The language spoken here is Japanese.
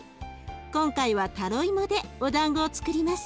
今回はタロイモでお団子をつくります。